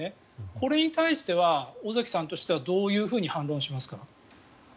これに対しては尾崎さんとしてはどういうふうに反論しますか？